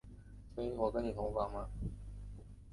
所以我跟你同房吗？